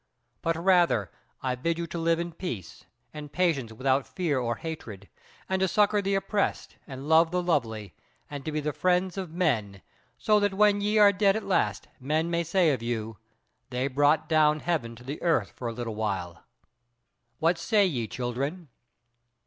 But rather I bid you to live in peace and patience without fear or hatred, and to succour the oppressed and love the lovely, and to be the friends of men, so that when ye are dead at last, men may say of you, they brought down Heaven to the Earth for a little while. What say ye, children?"